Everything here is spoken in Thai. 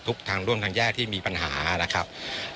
ทางร่วมทางแยกที่มีปัญหานะครับ